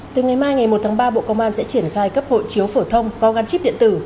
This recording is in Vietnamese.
từ ngày mai ngày một tháng ba bộ công an sẽ triển khai cấp hộ chiếu phổ thông có gắn chip điện tử